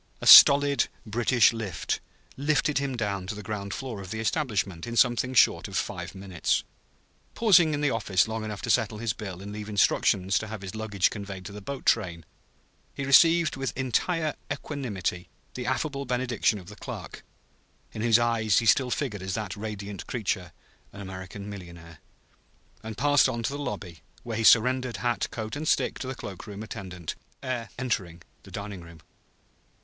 A stolid British lift lifted him down to the ground floor of the establishment in something short of five minutes. Pausing in the office long enough to settle his bill and leave instructions to have his luggage conveyed to the boat train, he received with entire equanimity the affable benediction of the clerk, in whose eyes he still figured as that radiant creature, an American millionaire; and passed on to the lobby, where he surrendered hat, coat and stick to the cloak room attendant, ere entering the dining room.